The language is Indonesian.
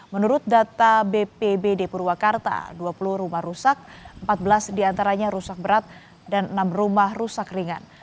menurut data bpbd purwakarta dua puluh rumah rusak empat belas diantaranya rusak berat dan enam rumah rusak ringan